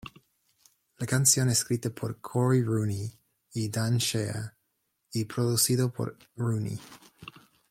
La canción escrita por "Cory Rooney" y "Dan Shea", y producido por Rooney.